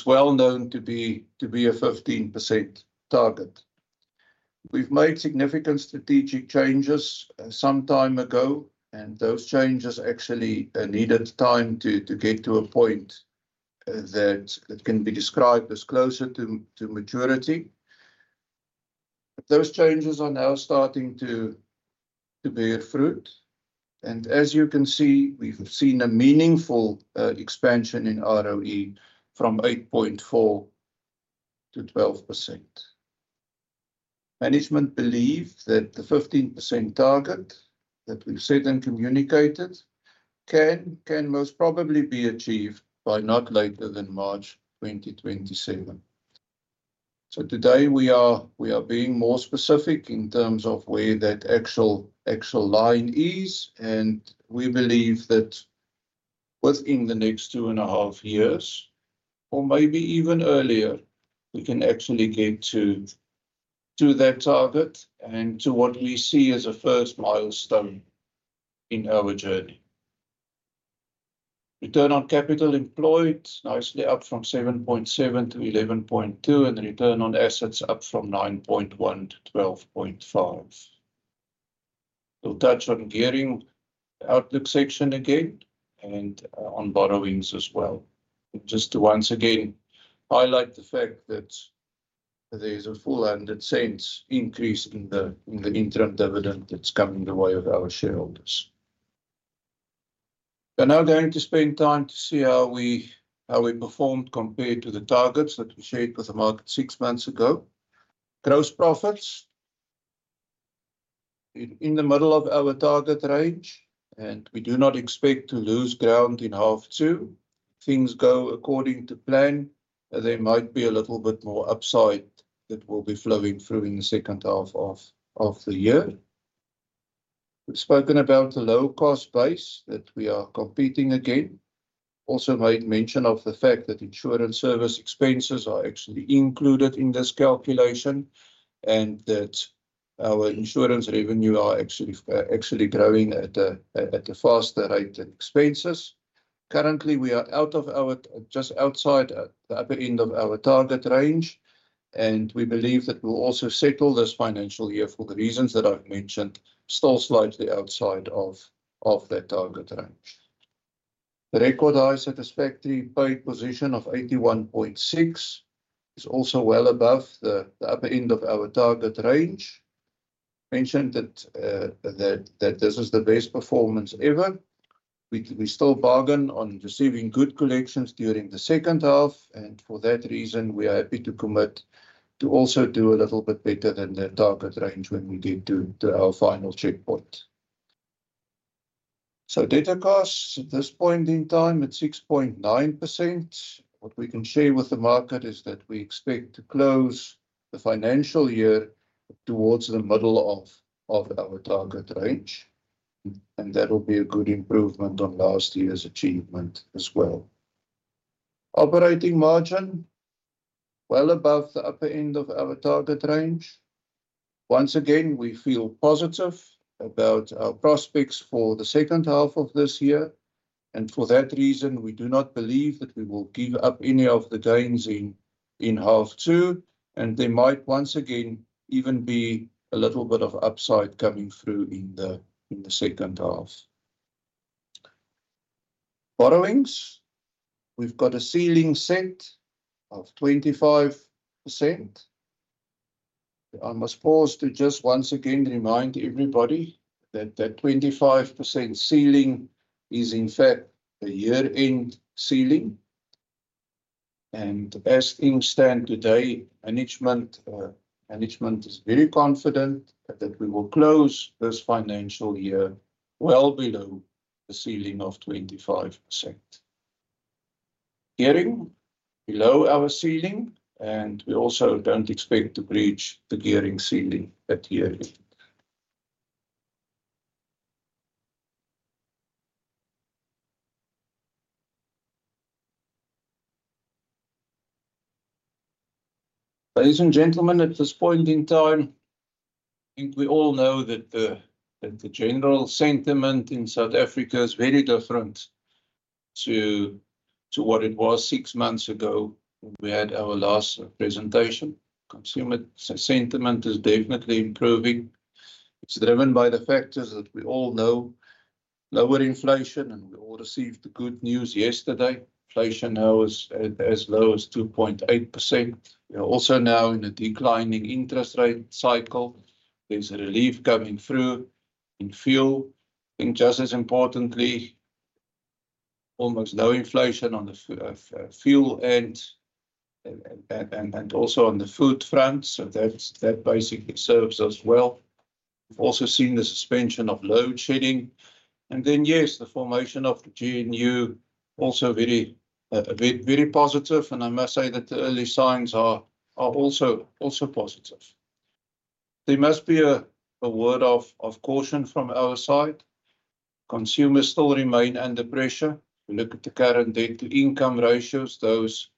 It's well known to be a 15% target. We've made significant strategic changes some time ago, and those changes actually needed time to get to a point that can be described as closer to maturity. Those changes are now starting to bear fruit, and as you can see, we've seen a meaningful expansion in ROE from 8.4% to 12%. Management believes that the 15% target that we've set and communicated can most probably be achieved by not later than March 2027. So today, we are being more specific in terms of where that actual line is, and we believe that within the next two and a half years, or maybe even earlier, we can actually get to that target and to what we see as a first milestone in our journey. Return on capital employed nicely up from 7.7% to 11.2%, and return on assets up from 9.1% to 12.5%. We'll touch on gearing outlook section again and on borrowings as well, just to once again highlight the fact that there's a full and extensive increase in the interim dividend that's coming the way of our shareholders. We're now going to spend time to see how we performed compared to the targets that we shared with the market six months ago. Gross profits in the middle of our target range, and we do not expect to lose ground in half two. Things go according to plan, and there might be a little bit more upside that will be flowing through in the second half of the year. We've spoken about the low-cost base that we are competing against. Also made mention of the fact that insurance service expenses are actually included in this calculation and that our insurance revenue are actually growing at a faster rate than expenses. Currently, we are just outside the upper end of our target range, and we believe that we'll also settle this financial year for the reasons that I've mentioned, still slightly outside of that target range. The record high satisfactory paid position of 81.6% is also well above the upper end of our target range. Mentioned that this is the best performance ever. We still bargain on receiving good collections during the second half, and for that reason, we are happy to commit to also do a little bit better than the target range when we get to our final checkpoint. So debtor costs at this point in time at 6.9%. What we can share with the market is that we expect to close the financial year towards the middle of our target range, and that will be a good improvement on last year's achievement as well. Operating margin well above the upper end of our target range. Once again, we feel positive about our prospects for the second half of this year, and for that reason, we do not believe that we will give up any of the gains in half two, and there might once again even be a little bit of upside coming through in the second half. Borrowings, we've got a ceiling set of 25%. I must pause to just once again remind everybody that that 25% ceiling is in fact a year-end ceiling, and as things stand today, management is very confident that we will close this financial year well below the ceiling of 25%. Gearing below our ceiling, and we also don't expect to breach the gearing ceiling at year-end. Ladies and gentlemen, at this point in time, I think we all know that the general sentiment in South Africa is very different to what it was six months ago when we had our last presentation. Consumer sentiment is definitely improving. It's driven by the factors that we all know: lower inflation, and we all received the good news yesterday. Inflation now is as low as 2.8%. We're also now in a declining interest rate cycle. There's a relief coming through in fuel. I think just as importantly, almost no inflation on the fuel end and also on the food front, so that basically serves us well. We've also seen the suspension of load shedding, and then yes, the formation of the GNU also very positive, and I must say that the early signs are also positive. There must be a word of caution from our side. Consumers still remain under pressure. We look at the current debt-to-income ratios. Those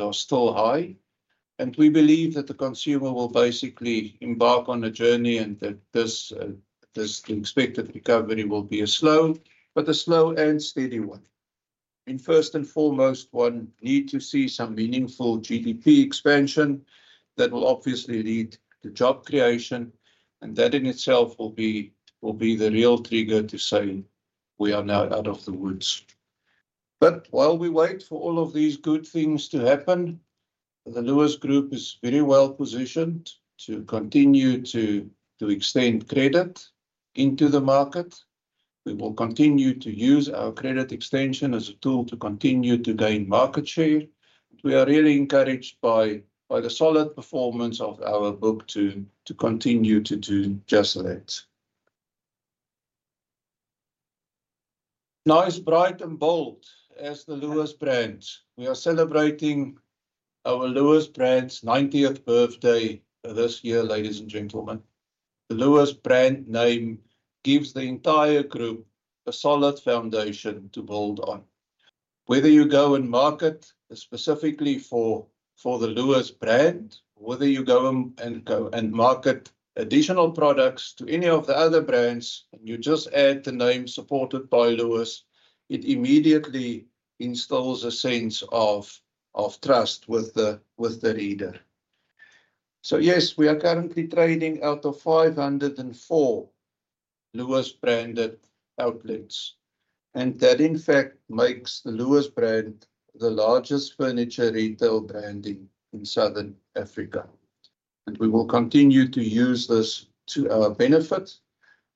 are still high, and we believe that the consumer will basically embark on a journey and that this expected recovery will be a slow, but a slow and steady one, and first and foremost, one needs to see some meaningful GDP expansion that will obviously lead to job creation, and that in itself will be the real trigger to say we are now out of the woods, but while we wait for all of these good things to happen, the Lewis Group is very well positioned to continue to extend credit into the market. We will continue to use our credit extension as a tool to continue to gain market share, and we are really encouraged by the solid performance of our book to continue to do just that. Nice, bright, and bold as the Lewis brand, we are celebrating our Lewis brand's 90th birthday this year, ladies and gentlemen. The Lewis brand name gives the entire group a solid foundation to build on. Whether you go and market specifically for the Lewis brand, whether you go and market additional products to any of the other brands, and you just add the name supported by Lewis, it immediately installs a sense of trust with the reader. So yes, we are currently trading out of 504 Lewis branded outlets, and that in fact makes the Lewis brand the largest furniture retail brand in Southern Africa, and we will continue to use this to our benefit.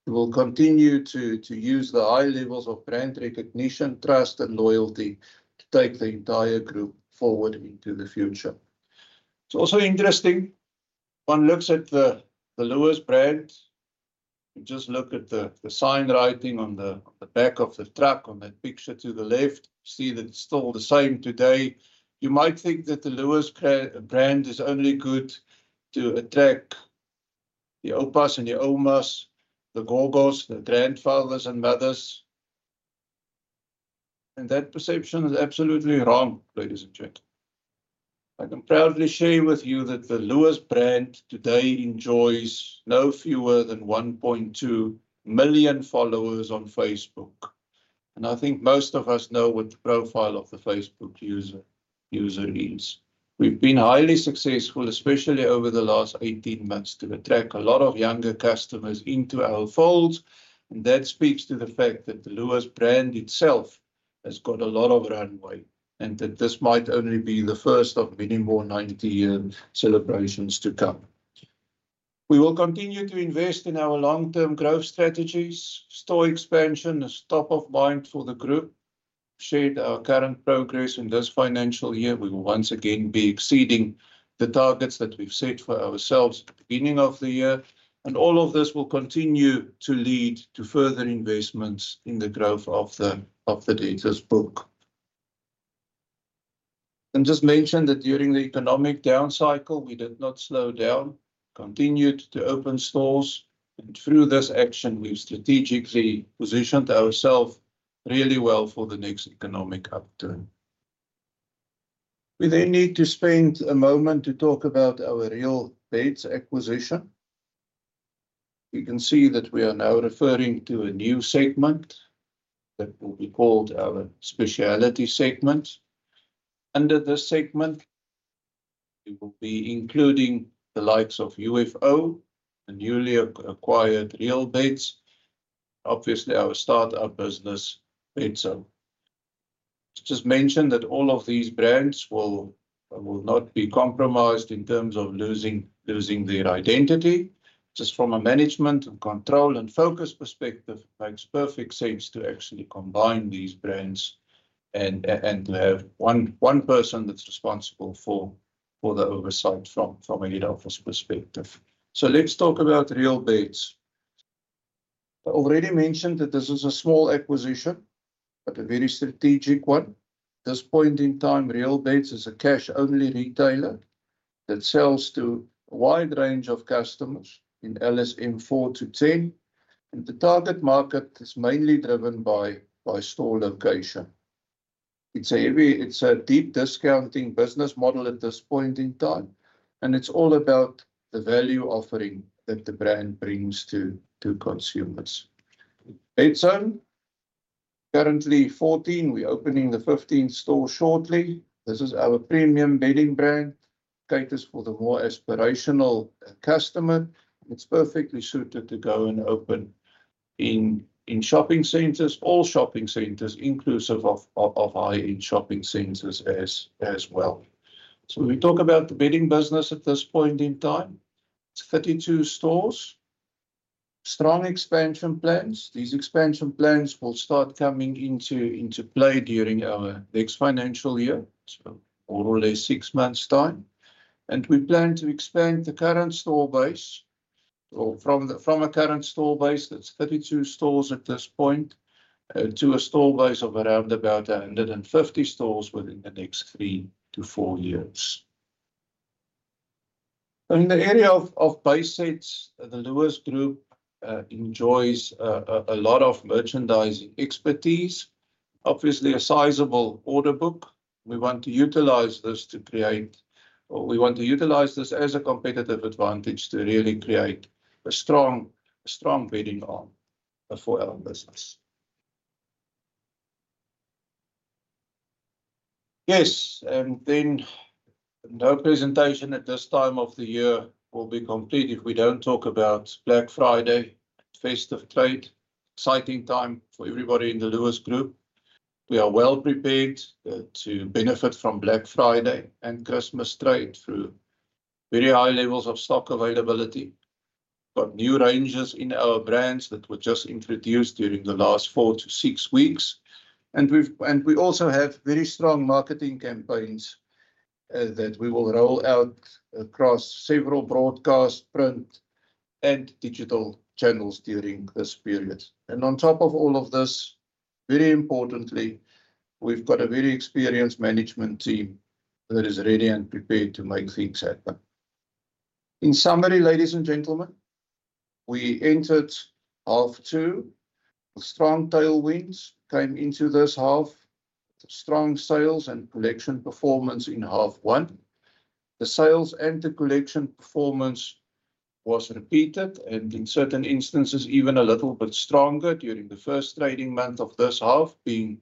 We will continue to use the high levels of brand recognition, trust, and loyalty to take the entire group forward into the future. It's also interesting when one looks at the Lewis brand, just look at the signwriting on the back of the truck on that picture to the left. You see that it's still the same today. You might think that the Lewis brand is only good to attract the opas and the omas, the gogos, the grandfathers and mothers, and that perception is absolutely wrong, ladies and gentlemen. I can proudly share with you that the Lewis brand today enjoys no fewer than 1.2 million followers on Facebook, and I think most of us know what the profile of the Facebook user is. We've been highly successful, especially over the last 18 months, to attract a lot of younger customers into our folds, and that speaks to the fact that the Lewis brand itself has got a lot of runway and that this might only be the first of many more 90-year celebrations to come. We will continue to invest in our long-term growth strategies. Store expansion is top of mind for the group. We've shared our current progress in this financial year. We will once again be exceeding the targets that we've set for ourselves at the beginning of the year, and all of this will continue to lead to further investments in the growth of the debtors book. I just mentioned that during the economic down cycle, we did not slow down, continued to open stores, and through this action, we've strategically positioned ourselves really well for the next economic upturn. We then need to spend a moment to talk about our Real Beds acquisition. You can see that we are now referring to a new segment that will be called our specialty segment. Under this segment, we will be including the likes of UFO, the newly acquired Real Beds, obviously our startup business, Bedzone. Just mention that all of these brands will not be compromised in terms of losing their identity. Just from a management and control and focus perspective, it makes perfect sense to actually combine these brands and to have one person that's responsible for the oversight from a head office perspective. So let's talk about Real Beds. I already mentioned that this is a small acquisition, but a very strategic one. At this point in time, Real Beds is a cash-only retailer that sells to a wide range of customers in LSM 4-10, and the target market is mainly driven by store location. It's a deep discounting business model at this point in time, and it's all about the value offering that the brand brings to consumers. Bedzone, currently 14, we're opening the 15th store shortly. This is our premium bedding brand, catering for the more aspirational customer. It's perfectly suited to go and open in shopping centers, all shopping centers, inclusive of high-end shopping centers as well. So we talk about the bedding business at this point in time. It's 32 stores, strong expansion plans. These expansion plans will start coming into play during our next financial year, so more or less six months' time, and we plan to expand the current store base from a current store base that's 32 stores at this point to a store base of around about 150 stores within the next three to four years. In the area of base sets, the Lewis Group enjoys a lot of merchandising expertise, obviously a sizable order book. We want to utilize this to create, or we want to utilize this as a competitive advantage to really create a strong bedding arm for our business. Yes, and then no presentation at this time of the year will be complete if we don't talk about Black Friday, the festive trade, exciting time for everybody in the Lewis Group. We are well prepared to benefit from Black Friday and Christmas trade through very high levels of stock availability. We've got new ranges in our brands that were just introduced during the last four to six weeks, and we also have very strong marketing campaigns that we will roll out across several broadcast, print, and digital channels during this period. And on top of all of this, very importantly, we've got a very experienced management team that is ready and prepared to make things happen. In summary, ladies and gentlemen, we entered half two. Strong tailwinds came into this half, strong sales and collection performance in half one. The sales and the collection performance was repeated and in certain instances even a little bit stronger during the first trading month of this half, being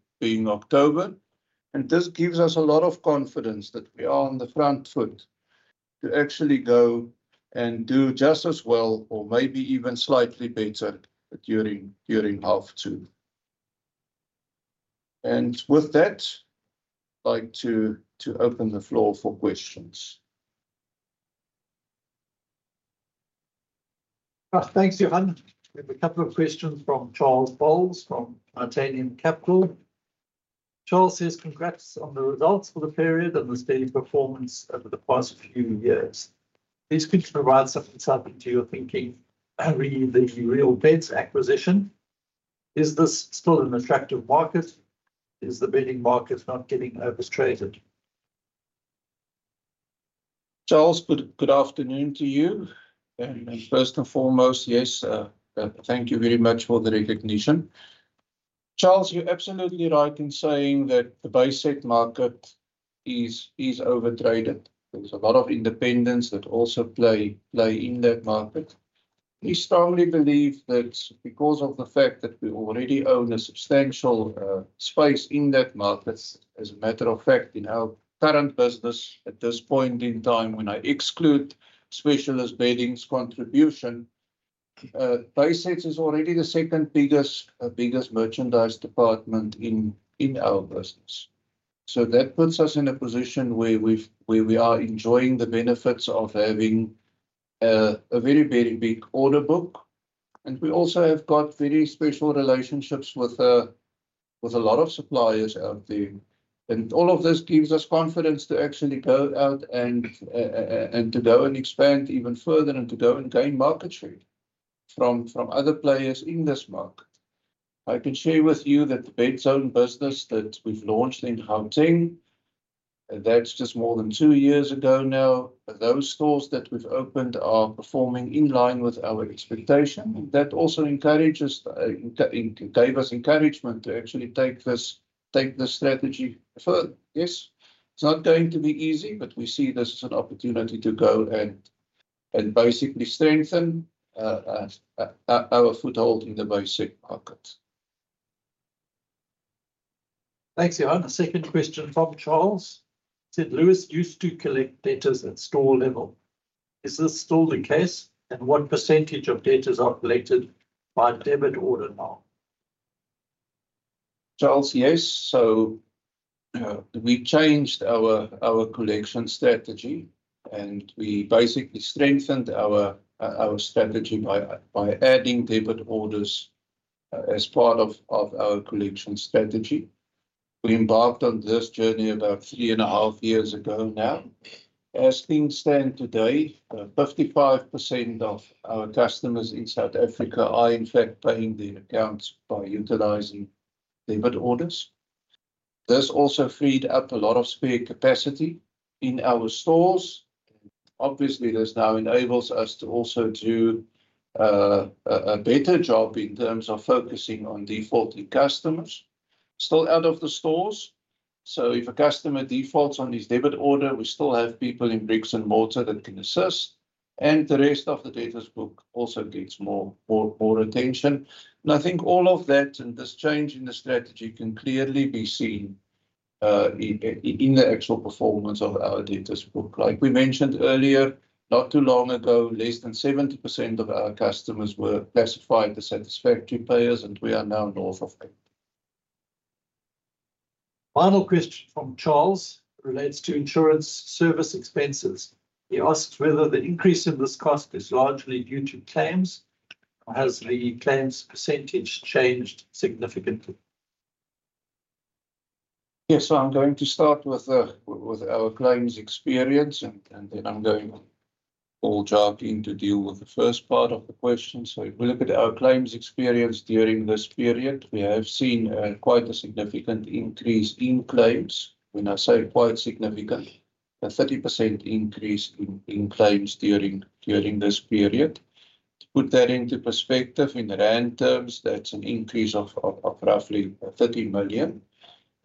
October, and this gives us a lot of confidence that we are on the front foot to actually go and do just as well or maybe even slightly better during half two. And with that, I'd like to open the floor for questions. Thanks, Johan. We have a couple of questions from Charles Bowles from Tantalum Capital. Charles says, "Congrats on the results for the period and the steady performance over the past few years. Please could you provide some insight into your thinking around the Real Beds acquisition? Is this still an attractive market? Is the bedding market not getting overtraded?" Charles, good afternoon to you. And first and foremost, yes, thank you very much for the recognition. Charles, you're absolutely right in saying that the base set market is overtraded. There's a lot of independents that also play in that market. We strongly believe that because of the fact that we already own a substantial space in that market, as a matter of fact, in our current business at this point in time, when I exclude specialist bedding's contribution, base sets is already the second biggest merchandise department in our business. So that puts us in a position where we are enjoying the benefits of having a very, very big order book, and we also have got very special relationships with a lot of suppliers out there, and all of this gives us confidence to actually go out and to go and expand even further and to go and gain market share from other players in this market. I can share with you that the Bedzone business that we've launched in Gauteng, that's just more than two years ago now, those stores that we've opened are performing in line with our expectation. That also gave us encouragement to actually take this strategy further. Yes, it's not going to be easy, but we see this as an opportunity to go and basically strengthen our foothold in the base sets market. Thanks, Johan. A second question from Charles. He said, "Lewis used to collect debtors at store level. Is this still the case, and what percentage of debtors are collected by debit order now?" Charles, yes. So we changed our collection strategy, and we basically strengthened our strategy by adding debit orders as part of our collection strategy. We embarked on this journey about three and a half years ago now. As things stand today, 55% of our customers in South Africa are in fact paying their accounts by utilizing debit orders. This also freed up a lot of spare capacity in our stores, and obviously this now enables us to also do a better job in terms of focusing on defaulting customers still out of the stores, so if a customer defaults on his debit order, we still have people in bricks and mortar that can assist, and the rest of the debtors book also gets more attention, and I think all of that and this change in the strategy can clearly be seen in the actual performance of our debtors book. Like we mentioned earlier, not too long ago, less than 70% of our customers were classified as satisfactory paid position, and we are now north of that. Final question from Charles relates to insurance service expenses. He asks whether the increase in this cost is largely due to claims or has the claims percentage changed significantly. Yes, I'm going to start with our claims experience, and then I'm going to pull Jacques in to deal with the first part of the question. So if we look at our claims experience during this period, we have seen quite a significant increase in claims. When I say quite significant, a 30% increase in claims during this period. To put that into perspective, in rand terms, that's an increase of roughly 30 million.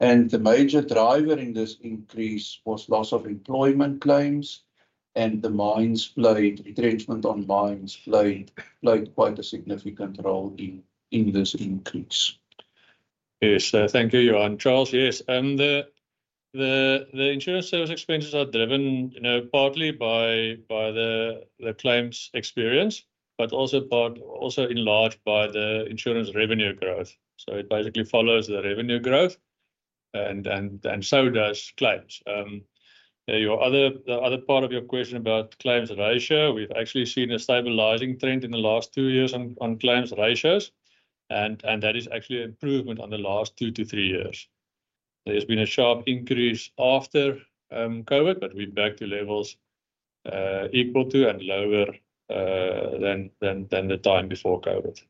And the major driver in this increase was loss of employment claims, and the mines played, retrenchment on mines played quite a significant role in this increase. Yes, thank you, Johan. Charles, yes. And the insurance service expenses are driven partly by the claims experience, but also in large part by the insurance revenue growth. So it basically follows the revenue growth, and so does claims. The other part of your question about claims ratio, we've actually seen a stabilizing trend in the last two years on claims ratios, and that is actually an improvement on the last two to three years. There's been a sharp increase after COVID, but we're back to levels equal to and lower than the time before COVID.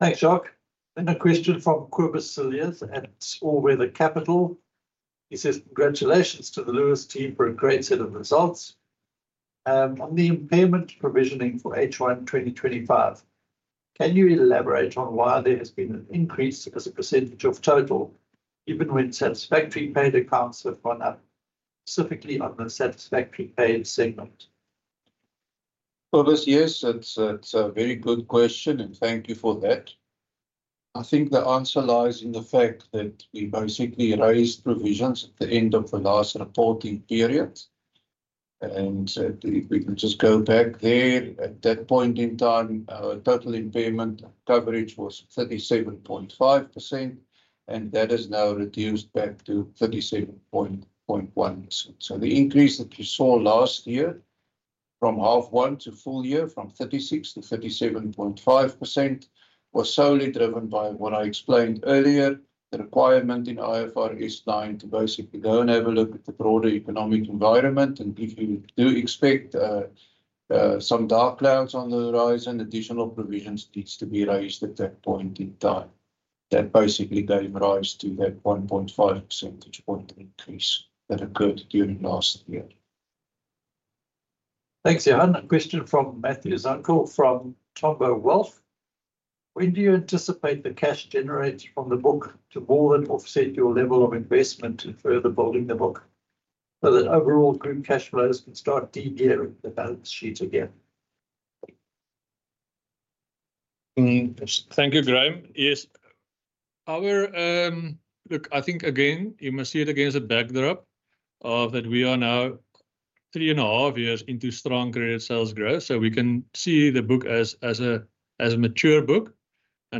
Thanks, Jacques. And a question from Cobus Cilliers at All Weather Capital. He says, "Congratulations to the Lewis team for a great set of results. On the impairment provisioning for H1 2025, can you elaborate on why there has been an increase as a percentage of total, even when satisfactory paid accounts have gone up, specifically on the satisfactory paid segment?" Cobus, yes, that's a very good question, and thank you for that. I think the answer lies in the fact that we basically raised provisions at the end of the last reporting period. And if we can just go back there, at that point in time, our total impairment coverage was 37.5%, and that has now reduced back to 37.1%. So the increase that you saw last year from half one to full year, from 36% to 37.5%, was solely driven by what I explained earlier, the requirement in IFRS 9 to basically go and have a look at the broader economic environment. And if you do expect some dark clouds on the horizon, additional provisions need to be raised at that point in time. That basically gave rise to that 1.5% increase that occurred during last year. Thanks, Johan. A question from Matthew Zunckel from Umthombo Wealth. When do you anticipate the cash generated from the book to more than offset your level of investment in further building the book so that overall group cash flows can start degearing the balance sheet again? Thank you, Graham. Yes, our outlook, I think again, you must see it again as a backdrop that we are now three and a half years into strong credit sales growth, so we can see the book as a mature book.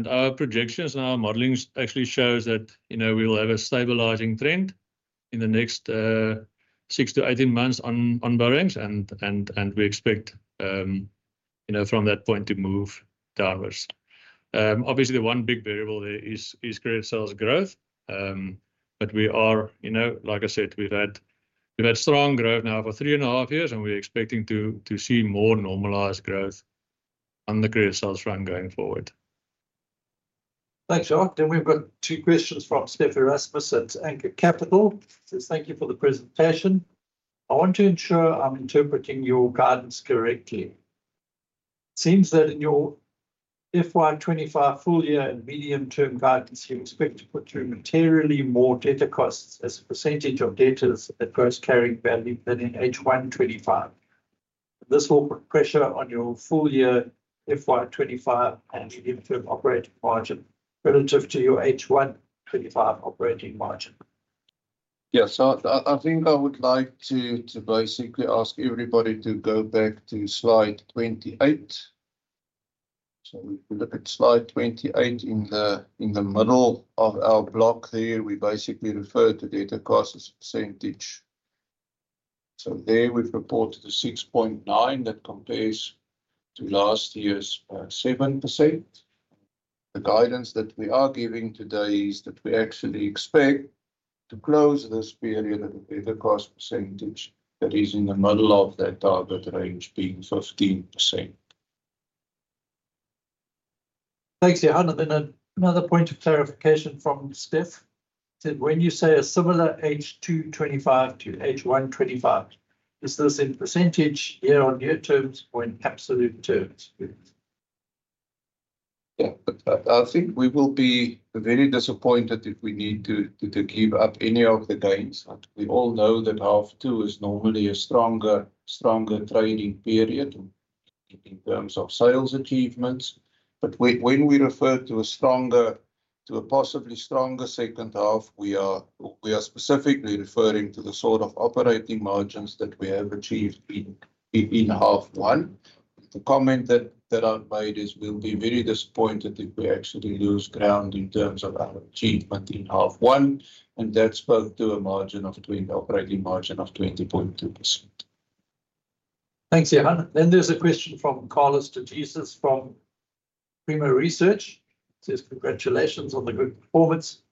Our projections and our modeling actually shows that we will have a stabilizing trend in the next six to 18 months on borrowings, and we expect from that point to move downwards. Obviously, the one big variable there is credit sales growth, but we are, like I said, we've had strong growth now for three and a half years, and we're expecting to see more normalized growth on the credit sales run going forward. Thanks, Johan. Then we've got two questions from Stephan Erasmus at Anchor Capital. He says, "Thank you for the presentation. I want to ensure I'm interpreting your guidance correctly. It seems that in your FY 2025 full year and medium term guidance, you expect to put through materially more debtor costs as a percentage of debtors book at gross carrying value than in H1 2025. This will put pressure on your full year FY 2025 and medium term operating margin relative to your H1 2025 operating margin." Yes, I think I would like to basically ask everybody to go back to slide 28. We look at slide 28 in the middle of our block there. We basically refer to debtor costs as a percentage. So there we've reported a 6.9% that compares to last year's 7%. The guidance that we are giving today is that we actually expect to close this period at a debtor costs percentage that is in the middle of that target range being 15%. Thanks, Johan. And then another point of clarification from Steph. He said, "When you say a similar H2 2025 to H1 2025, is this in percentage, year on year terms, or in absolute terms?" Yeah, I think we will be very disappointed if we need to give up any of the gains. We all know that half two is normally a stronger trading period in terms of sales achievements. But when we refer to a possibly stronger second half, we are specifically referring to the sort of operating margins that we have achieved in half one. The comment that I've made is we'll be very disappointed if we actually lose ground in terms of our achievement in half one, and that's both to a margin of operating margin of 20.2%. Thanks, Johan. Then there's a question from Karlos Treves from Primo Research. He says, "Congratulations on the good performance.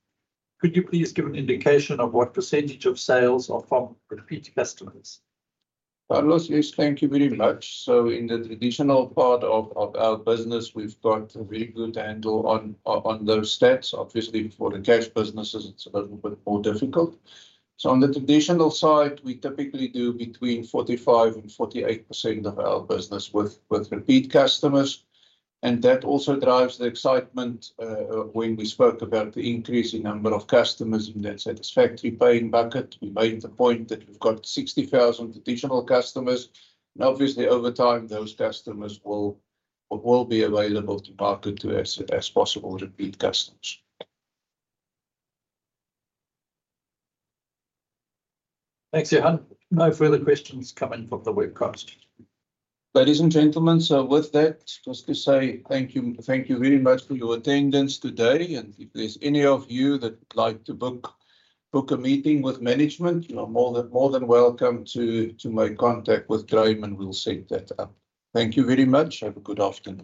Could you please give an indication of what percentage of sales are from repeat customers?" Karlos, yes, thank you very much. So in the traditional part of our business, we've got a very good handle on those stats. Obviously, for the cash businesses, it's a little bit more difficult. So on the traditional side, we typically do between 45% and 48% of our business with repeat customers. And that also drives the excitement when we spoke about the increasing number of customers in that satisfactory paying bucket. We made the point that we've got 60,000 additional customers. And obviously, over time, those customers will be available to market to as possible repeat customers. Thanks, Johan. No further questions coming from the webcast. Ladies and gentlemen, so with that, just to say thank you very much for your attendance today. And if there's any of you that would like to book a meeting with management, you are more than welcome to make contact with Graham, and we'll set that up. Thank you very much. Have a good afternoon.